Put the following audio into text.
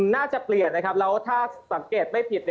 น่าจะเปลี่ยนนะครับแล้วถ้าสังเกตไม่ผิด